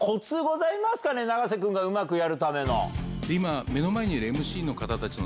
永瀬君がうまくやるための。